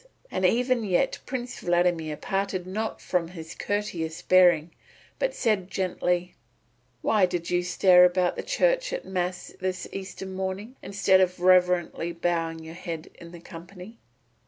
And even yet Prince Vladimir parted not from his courteous bearing but said gently: "Why did you stare about the church at Mass this Easter morning, instead of reverently bowing your head in the company?"